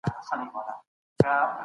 په ناحقه د نورو شتمني مه غصبوئ.